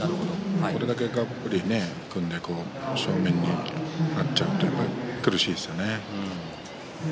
これだけがっぷり組んで正面になってしまうと苦しいですね。